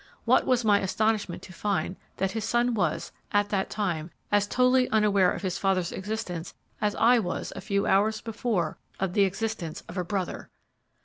What was my astonishment to find that his son was, at that time, as totally unaware of his father's existence as was I a few hours before of the existence of a brother!